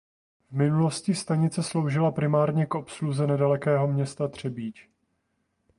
V minulosti stanice sloužila primárně k obsluze nedalekého města Třebíč.